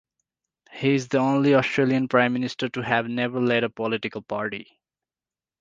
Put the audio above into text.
He is the only Australian prime minister to have never led a political party.